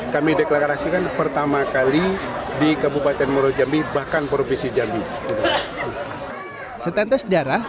kami deklarasikan pertama kali di kabupaten muarajambi bahkan provinsi jambi setetes darah